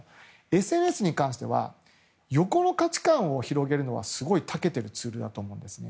ＳＮＳに関しては横の価値観を広げるのはすごい、たけているツールだと思うんですね。